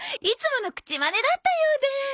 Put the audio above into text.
いつもの口マネだったようで。